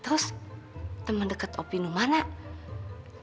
terus teman dekat opie namanya mana